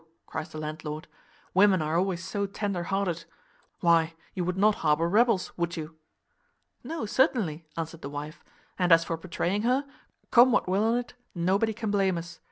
cries the landlord, "women are always so tender hearted. Why, you would not harbour rebels, would you?" "No, certainly," answered the wife; "and as for betraying her, come what will on't, nobody can blame us.